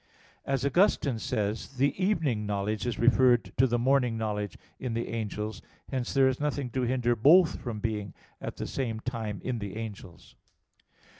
As Augustine says (Gen. ad lit. iv, 24), the evening knowledge is referred to the morning knowledge in the angels; hence there is nothing to hinder both from being at the same time in the angels.